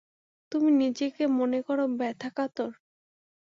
তুমি নিজেকে মনে কর ব্যথাকাতর।